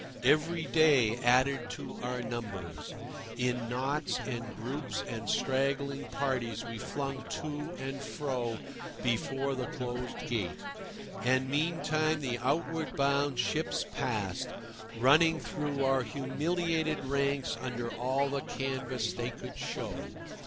Every day added to our numbers. In knots and groups and straggling parties we flung to and fro before the closed gate. And meantime the outward bound ships passed, running through our humiliated ranks under all the canvas they could show.